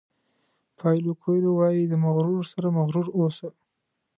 پایلو کویلو وایي د مغرورو سره مغرور اوسه.